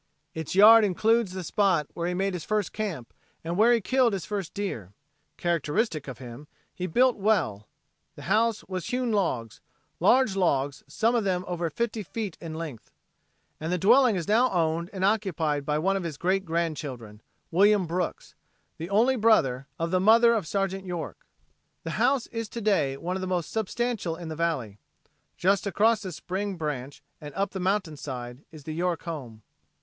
Its yard includes the spot where he made his first camp and where he killed his first deer. Characteristic of him, he built well. The house was hewn logs, large logs, some of them over fifty feet in length. And the dwelling is now owned and occupied by one of his great grandchildren, William Brooks, the only brother of the mother of Sergeant York. The house is to day one of the most substantial in the valley. Just across the spring branch and up the mountainside is the York home.